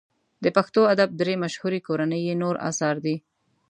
د پښتو ادب درې مشهوري کورنۍ یې نور اثار دي.